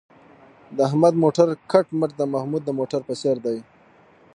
د احمد موټر کټ مټ د محمود د موټر په څېر دی.